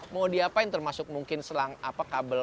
mau diapain termasuk mungkin selang apa kabel